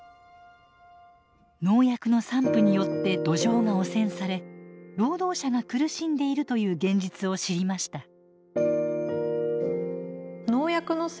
農薬の散布によって土壌が汚染され労働者が苦しんでいるという現実を知りました。